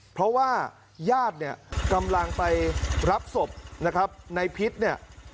เพราะว่าญาติเนี่ยกำลังไปรับศพนะครับในพิษเนี่ย